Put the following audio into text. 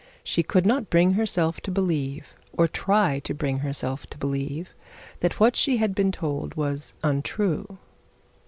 She could not bring herself to believe or try to bring herself to believe, that what she had been told was untrue.